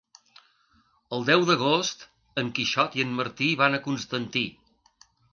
El deu d'agost en Quixot i en Martí van a Constantí.